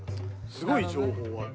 すごい情報ある。